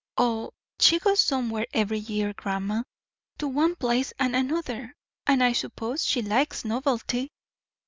"O, she goes somewhere every year, grandma; to one place and another; and I suppose she likes novelty."